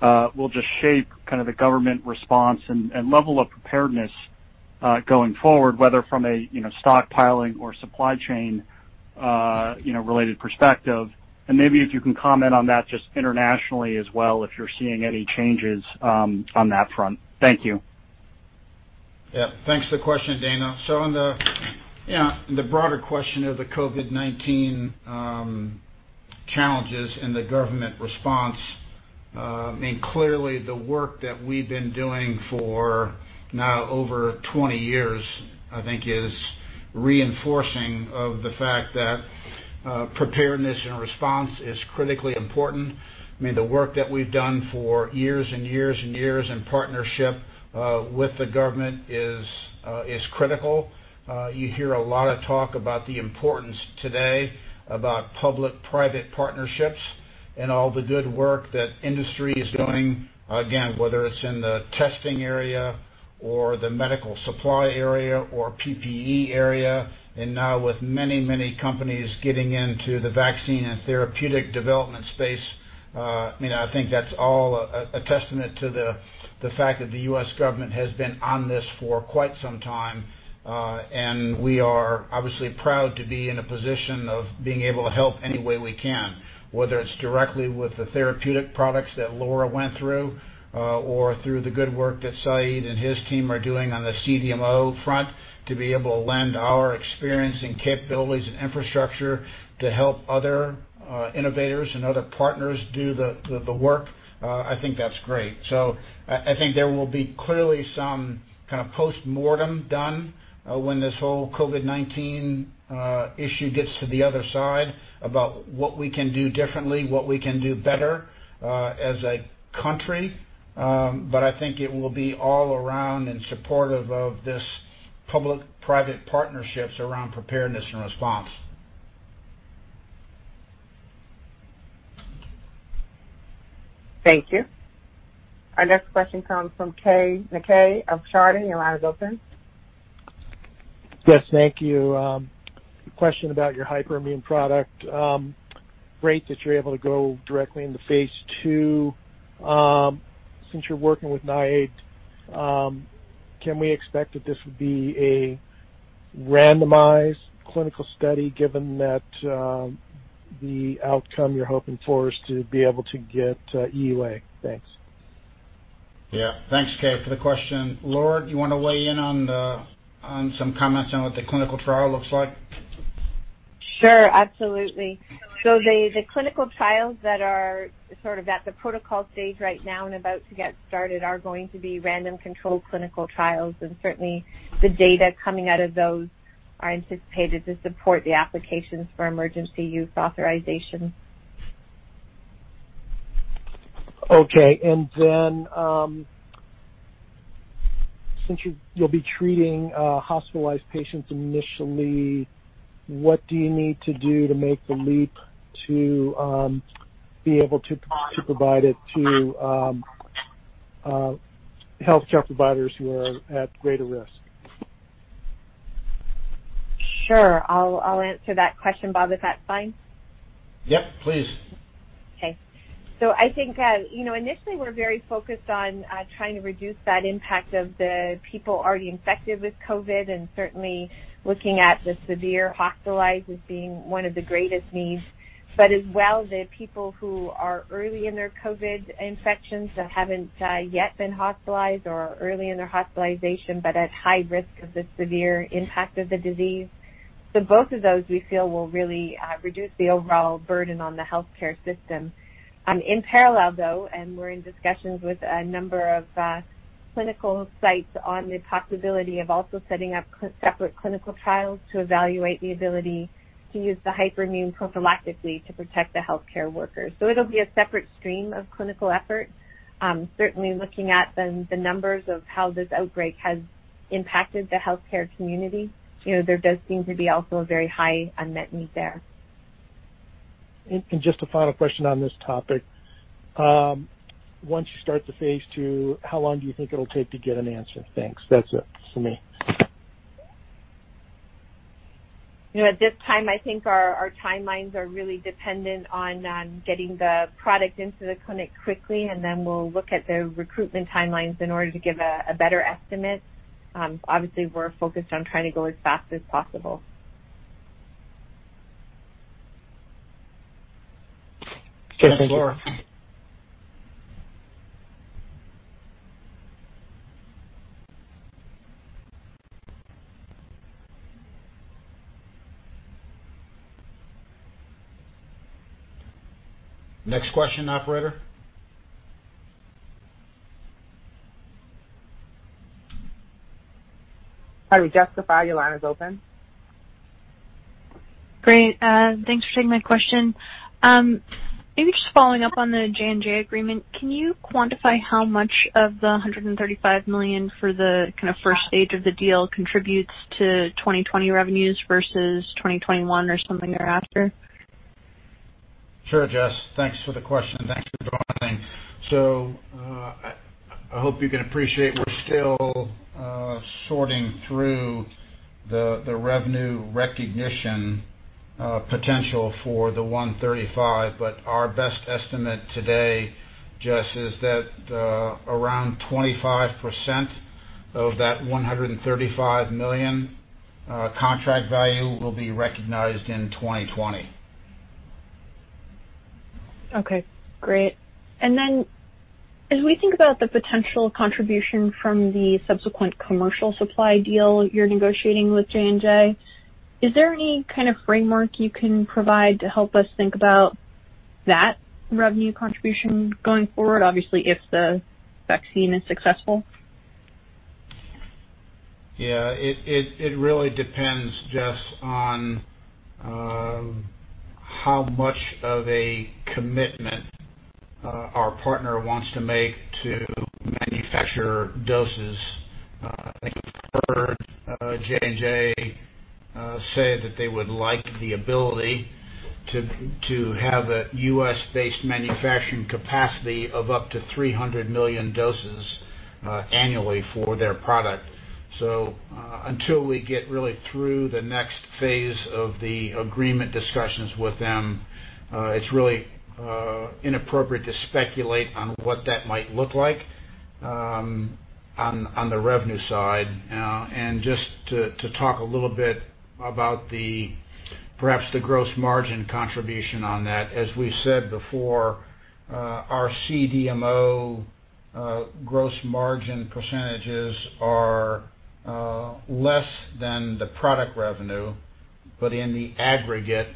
will just shape the government response and level of preparedness going forward, whether from a stockpiling or supply chain-related perspective. Maybe if you can comment on that just internationally as well, if you're seeing any changes on that front. Thank you. Yeah. Thanks for the question, Dana. On the broader question of the COVID-19 challenges and the government response, clearly the work that we've been doing for over 20 years, I think is reinforcing of the fact that preparedness and response is critically important. The work that we've done for years and years and years in partnership with the government is critical. You hear a lot of talk about the importance today about public-private partnerships and all the good work that industry is doing. Again, whether it's in the testing area or the medical supply area or PPE area, and now with many, many companies getting into the vaccine and therapeutic development space. I think that's all a testament to the fact that the U.S. government has been on this for quite some time. We are obviously proud to be in a position of being able to help any way we can, whether it's directly with the therapeutic products that Laura went through or through the good work that Syed and his team are doing on the CDMO front to be able to lend our experience and capabilities and infrastructure to help other innovators and other partners do the work. I think that's great. I think there will be clearly some kind of postmortem done when this whole COVID-19 issue gets to the other side about what we can do differently, what we can do better as a country. I think it will be all around in support of these public-private partnerships around preparedness and response. Thank you. Our next question comes from Keay Nakae of Chardan. Your line is open. Yes. Thank you. Question about your hyperimmune product. Great that you're able to go directly into phase II. Since you're working with NIAID, can we expect that this would be a randomized clinical study given that the outcome you're hoping for is to be able to get EUA? Thanks. Yeah. Thanks, Keay, for the question. Laura, do you want to weigh in on some comments on what the clinical trial looks like? Sure, absolutely. The clinical trials that are sort of at the protocol stage right now and about to get started are going to be random control clinical trials, and certainly the data coming out of those are anticipated to support the applications for Emergency Use Authorization. Okay. Since you'll be treating hospitalized patients initially, what do you need to do to make the leap to be able to provide it to healthcare providers who are at greater risk? Sure. I'll answer that question, Bob. Is that fine? Yep, please. Okay. I think initially we're very focused on trying to reduce that impact of the people already infected with COVID, and certainly looking at the severe hospitalized as being one of the greatest needs. As well, the people who are early in their COVID infections that haven't yet been hospitalized or are early in their hospitalization, but at high risk of the severe impact of the disease. Both of those we feel will really reduce the overall burden on the healthcare system. In parallel, though, we're in discussions with a number of clinical sites on the possibility of also setting up separate clinical trials to evaluate the ability to use the hyperimmune prophylactically to protect the healthcare workers. It'll be a separate stream of clinical effort. Certainly looking at the numbers of how this outbreak has impacted the healthcare community, there does seem to be also a very high unmet need there. Just a final question on this topic. Once you start the phase II, how long do you think it'll take to get an answer? Thanks. That's it for me. At this time, I think our timelines are really dependent on getting the product into the clinic quickly, and then we'll look at the recruitment timelines in order to give a better estimate. Obviously, we're focused on trying to go as fast as possible. Okay. Thank you. Thanks, Laura. Next question, operator. Sorry, Jess, the floor, your line is open. Great. Thanks for taking my question. Maybe just following up on the J&J agreement. Can you quantify how much of the $135 million for the kind of 1st stage of the deal contributes to 2020 revenues versus 2021 or something thereafter? Sure, Jess. Thanks for the question. Thanks for joining. I hope you can appreciate we're still sorting through the revenue recognition potential for the $135, but our best estimate today, Jess, is that around 25% of that $135 million contract value will be recognized in 2020. Okay, great. As we think about the potential contribution from the subsequent commercial supply deal you're negotiating with J&J, is there any kind of framework you can provide to help us think about that revenue contribution going forward, obviously, if the vaccine is successful? Yeah. It really depends just on how much of a commitment our partner wants to make to manufacture doses. I think you've heard J&J say that they would like the ability to have a US-based manufacturing capacity of up to 300 million doses annually for their product. Until we get really through the next phase of the agreement discussions with them, it's really inappropriate to speculate on what that might look like on the revenue side. Just to talk a little bit about perhaps the gross margin contribution on that, as we said before, our CDMO gross margin percentages are less than the product revenue. In the aggregate,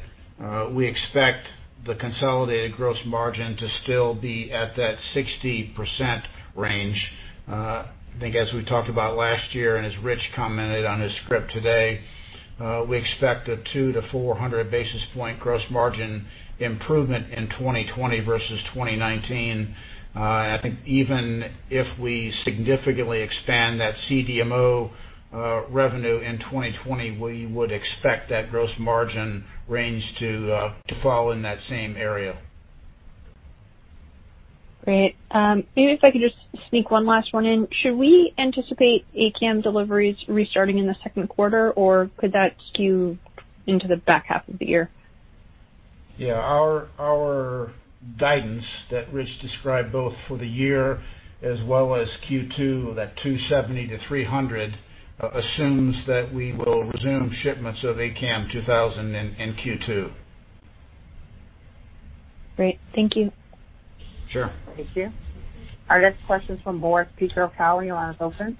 we expect the consolidated gross margin to still be at that 60% range. I think as we talked about last year, as Rich commented on his script today, we expect a 200-400 basis point gross margin improvement in 2020 versus 2019. I think even if we significantly expand that CDMO revenue in 2020, we would expect that gross margin range to fall in that same area. Great. Maybe if I could just sneak one last one in. Should we anticipate ACAM deliveries restarting in the second quarter, or could that skew into the back half of the year? Our guidance that Rich described, both for the year as well as Q2, that $270-$300 assumes that we will resume shipments of ACAM2000 in Q2. Great. Thank you. Sure. Thank you. Our next question's from Boris Peaker of Cowen. Your line is open.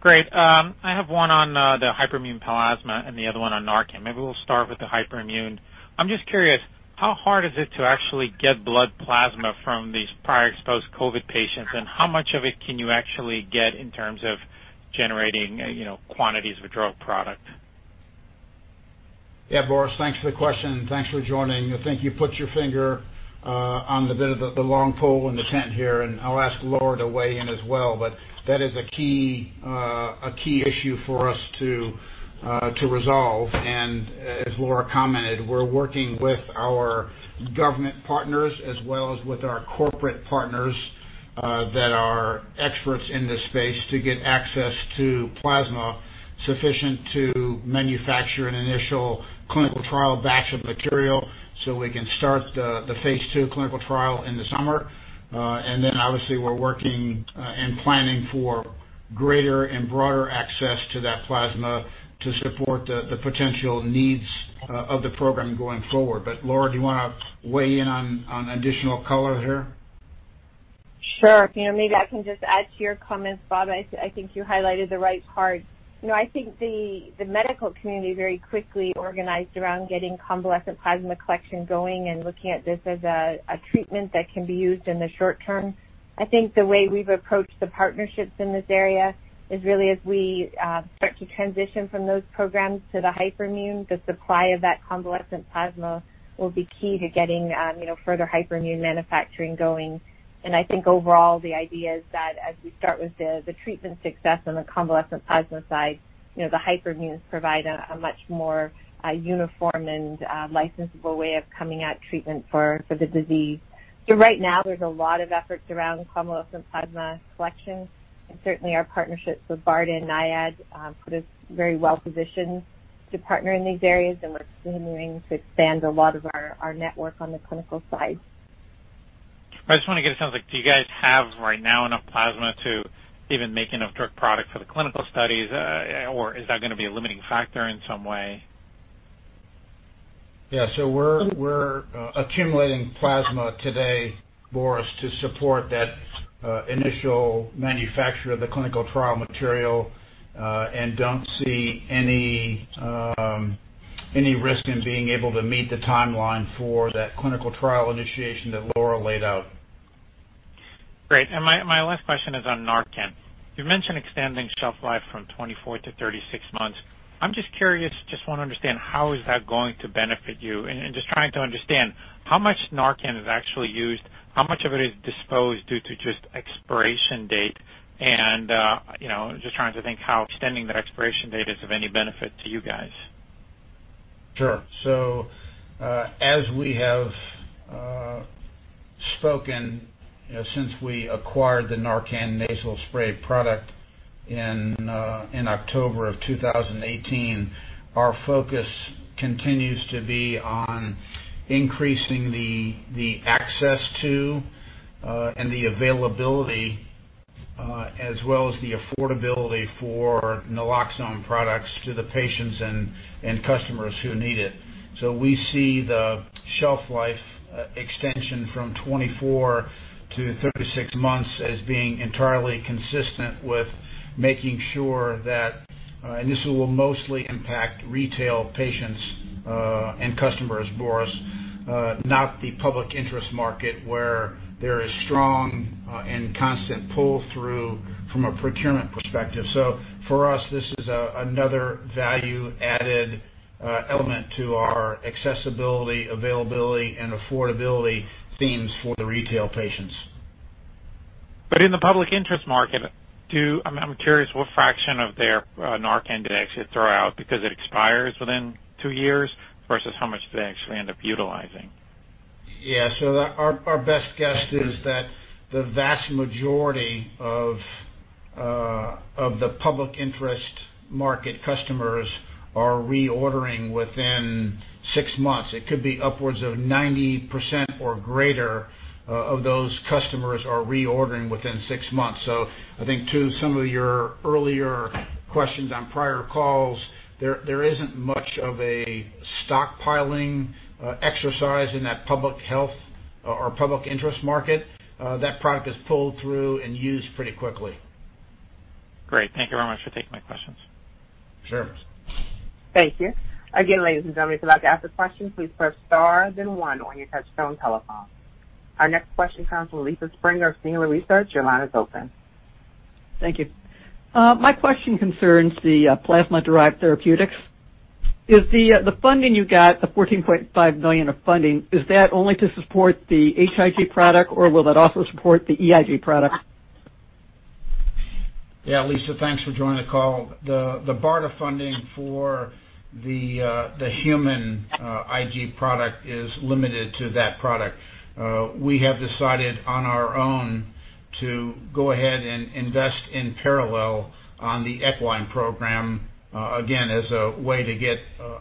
Great. I have one on the hyperimmune plasma and the other one on NARCAN. Maybe we'll start with the hyperimmune. I'm just curious, how hard is it to actually get blood plasma from these prior exposed COVID patients, and how much of it can you actually get in terms of generating quantities of a drug product? Yeah, Boris, thanks for the question and thanks for joining. I think you put your finger on the bit of the long pole in the tent here, and I'll ask Laura to weigh in as well, but that is a key issue for us to resolve. As Laura commented, we're working with our government partners as well as with our corporate partners that are experts in this space to get access to plasma sufficient to manufacture an initial clinical trial batch of material so we can start the phase II clinical trial in the summer. Obviously, we're working and planning for greater and broader access to that plasma to support the potential needs of the program going forward. Laura, do you want to weigh in on additional color here? Sure. Maybe I can just add to your comments, Bob. I think you highlighted the right part. I think the medical community very quickly organized around getting convalescent plasma collection going and looking at this as a treatment that can be used in the short term. I think the way we've approached the partnerships in this area is really as we start to transition from those programs to the hyperimmune, the supply of that convalescent plasma will be key to getting further hyperimmune manufacturing going. I think overall, the idea is that as we start with the treatment success on the convalescent plasma side, the hyperimmunes provide a much more uniform and licensable way of coming at treatment for the disease. Right now, there's a lot of efforts around convalescent plasma collection, and certainly our partnerships with BARDA and NIAID put us very well positioned to partner in these areas, and we're continuing to expand a lot of our network on the clinical side. I just want to get a sense, do you guys have right now enough plasma to even make enough drug product for the clinical studies, or is that going to be a limiting factor in some way? Yeah. We're accumulating plasma today, Boris, to support that initial manufacture of the clinical trial material and don't see any risk in being able to meet the timeline for that clinical trial initiation that Laura laid out. Great. My last question is on NARCAN. You've mentioned extending shelf life from 24-36 months. I'm just curious, just want to understand how is that going to benefit you? Just trying to understand how much NARCAN is actually used, how much of it is disposed due to just expiration date and just trying to think how extending that expiration date is of any benefit to you guys. Sure. As we have spoken since we acquired the NARCAN Nasal Spray product in October of 2018, our focus continues to be on increasing the access to and the availability of, as well as the affordability for naloxone products to the patients and customers who need it. We see the shelf life extension from 24-36 months as being entirely consistent with making sure that, and this will mostly impact retail patients and customers, Boris, not the public interest market where there is strong and constant pull-through from a procurement perspective. For us, this is another value-added element to our accessibility, availability, and affordability themes for the retail patients. In the public interest market, I'm curious what fraction of their NARCAN do they actually throw out because it expires within two years, versus how much they actually end up utilizing? Yeah. Our best guess is that the vast majority of the public interest market customers are reordering within six months. It could be upwards of 90% or greater of those customers are reordering within six months. I think to some of your earlier questions on prior calls, there isn't much of a stockpiling exercise in that public health or public interest market. That product is pulled through and used pretty quickly. Great. Thank you very much for taking my questions. Sure. Thank you. Again, ladies and gentlemen, if you'd like to ask a question, please press star then one on your touch-tone telephone. Our next question comes from Lisa Springer of Singular Research. Your line is open. Thank you. My question concerns the plasma-derived therapeutics. The funding you got, the $14.5 million of funding, is that only to support the HIG product, or will that also support the EIG product? Yeah, Lisa, thanks for joining the call. The BARDA funding for the human IG product is limited to that product. We have decided on our own to go ahead and invest in parallel on the equine program, again, as a way to get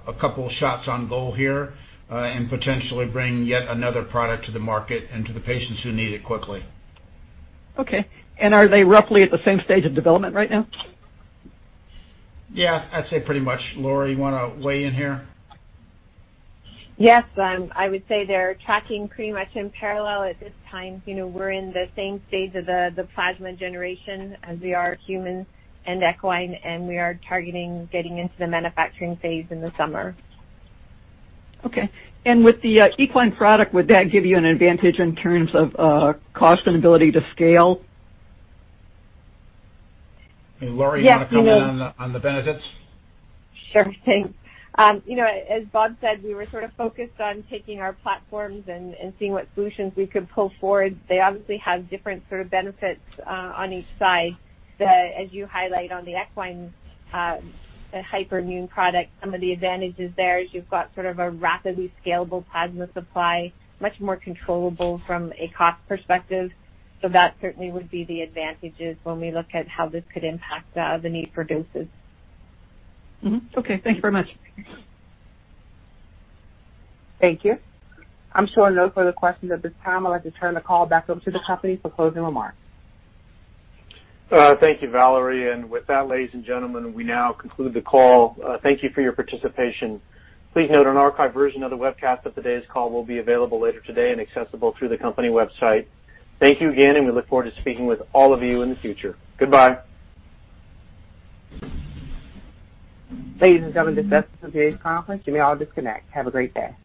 a couple of shots on goal here, and potentially bring yet another product to the market and to the patients who need it quickly. Okay. Are they roughly at the same stage of development right now? Yeah, I'd say pretty much. Laura, you want to weigh in here? Yes. I would say they're tracking pretty much in parallel at this time. We're in the same stage of the plasma generation as we are humans and equine, and we are targeting getting into the manufacturing phase in the summer. Okay. With the equine product, would that give you an advantage in terms of cost and ability to scale? Hey, Laura. Yes. You want to come in on the benefits? Sure. Thanks. As Bob said, we were sort of focused on taking our platforms and seeing what solutions we could pull forward. They obviously have different sort of benefits on each side. As you highlight on the equine hyperimmune product, some of the advantages there is you've got sort of a rapidly scalable plasma supply, much more controllable from a cost perspective. That certainly would be the advantages when we look at how this could impact the need for doses. Okay, thanks very much. Thank you. I'm showing no further questions at this time. I'd like to turn the call back over to the company for closing remarks. Thank you, Valerie. With that, ladies and gentlemen, we now conclude the call. Thank you for your participation. Please note an archived version of the webcast of today's call will be available later today and accessible through the company website. Thank you again, and we look forward to speaking with all of you in the future. Goodbye. Ladies and gentlemen, this ends today's conference. You may all disconnect. Have a great day.